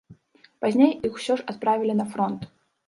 Пазней іх усё ж адправілі на фронт.